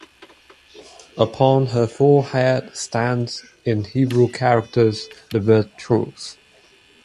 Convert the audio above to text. Upon her forehead stands, in Hebrew characters, the word truth.